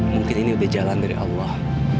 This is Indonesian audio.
mungkin ini udah jalan dari allah